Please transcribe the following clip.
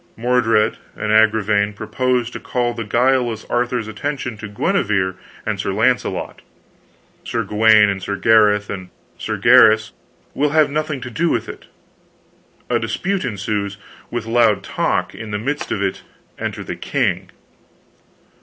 Mordred and Agravaine propose to call the guileless Arthur's attention to Guenever and Sir Launcelot. Sir Gawaine, Sir Gareth, and Sir Gaheris will have nothing to do with it. A dispute ensues, with loud talk; in the midst of it enter the king.